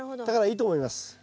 だからいいと思います。